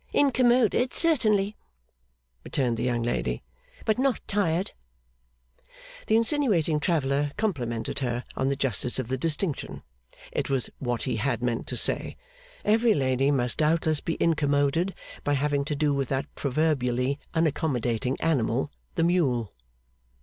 'Incommoded, certainly,' returned the young lady, 'but not tired.' The insinuating traveller complimented her on the justice of the distinction. It was what he had meant to say. Every lady must doubtless be incommoded by having to do with that proverbially unaccommodating animal, the mule.